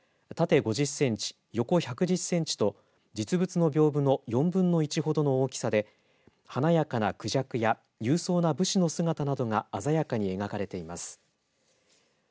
びょうぶの下絵の写しは縦５０センチ、横１１０センチと実物のびょうぶの４分の１ほどの大きさで華やかな孔雀や勇壮な武士の姿などが鮮やかに描かれています。